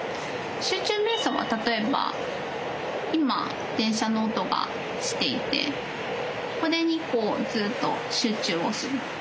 集中瞑想は例えば今電車の音がしていてこれにずっと集中をする。